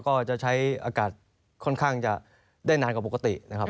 ก็จะใช้อากาศค่อนข้างจะได้นานกว่าปกตินะครับ